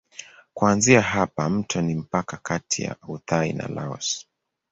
Kuanzia hapa mto ni mpaka kati ya Uthai na Laos.